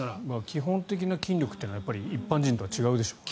基本的な筋力は一般人とは違うでしょうね。